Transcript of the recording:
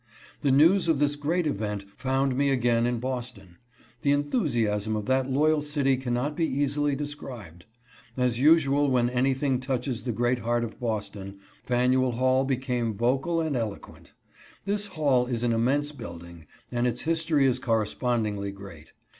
The news of this great event found me again in Boston. The enthusiasm of that loyal city cannot be easily described. As usual when anything touches the great heart of Boston, Faneuil Hall became vocal and eloquent. This hall is an immense building, and its his tory is correspondingly great.